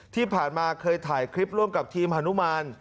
ที่ผ่านมาเคยถ่ายคลิปร่วมกับทีมฮานุมาน